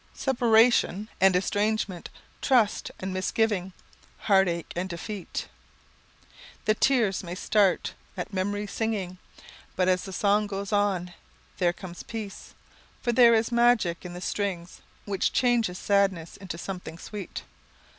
Separation and estrangement, trust and misgiving, heartache and defeat. [Sidenote: A Magic in the Strings] The tears may start at Memory's singing, but as the song goes on there comes peace, for there is a magic in the strings which changes sadness into something sweet.